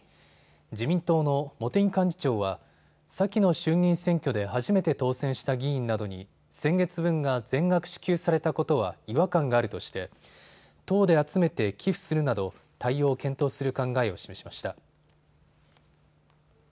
自民党の茂木幹事長は先の衆議院選挙で初めて当選した議員などに先月分が全額支給されたことは違和感があるとして党で集めて寄付するなど対応を検討する考えを示しました。